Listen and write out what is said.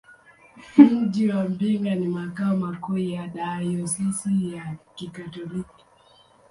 Mji wa Mbinga ni makao makuu ya dayosisi ya Kikatoliki.